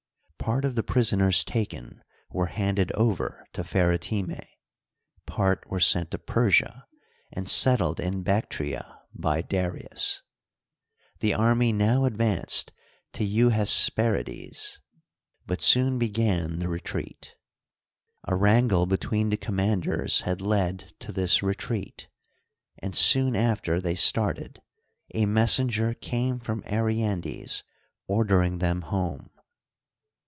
Part of the pris oners taken were handed over to Pheretime, part were sent to Persia and settled in Bactria by Darius. The army now advanced to Evihesperides, but soon began the retreat. A wrangle between the commanders had led to this retreat, and soon after they started a messenger came from Aryandes ordering them home.